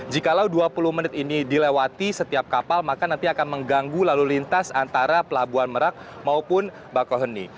jikalau dua puluh menit ini dilewati setiap kapal maka nanti akan mengganggu lalu lintas antara pelabuhan merak maupun bakohoni